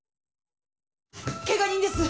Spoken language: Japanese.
けが人です！